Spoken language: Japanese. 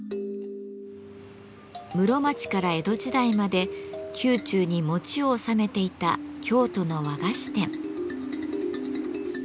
室町から江戸時代まで宮中に餅を納めていた京都の和菓子店。